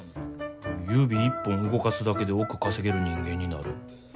指一本動かすだけで億稼げる人間になる。